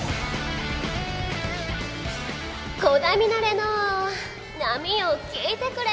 『鼓田ミナレの波よ聞いてくれ』。